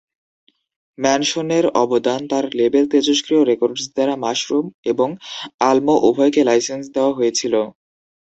ম্যানসনের অবদান তার লেবেল তেজস্ক্রিয় রেকর্ডস দ্বারা মাশরুম এবং আলমো উভয়কে লাইসেন্স দেওয়া হয়েছিল।